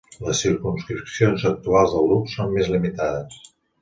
Les circumscripcions actuals del grup són més limitades.